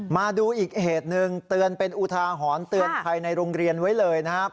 มาดูอีกเหตุหนึ่งเตือนเป็นอุทาหรณ์เตือนภัยในโรงเรียนไว้เลยนะครับ